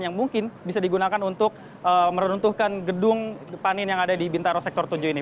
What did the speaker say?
yang mungkin bisa digunakan untuk meruntuhkan gedung panin yang ada di bintaro sektor tujuh ini